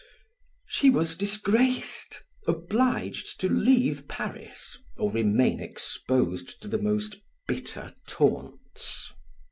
She was disgraced, obliged to leave Paris or remain exposed to the most bitter taunts.